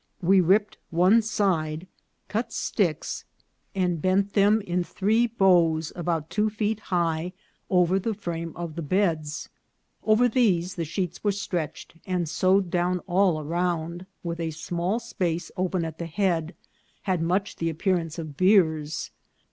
We ripped one side, cut sticks, and bent them MODE OF LIFE AT PALENQUE. 309 in three bows about two feet high over the frame of the beds. Over these the sheets were stretched, and, sew ed down all around, with a small space open at the head, had much the appearance of biers.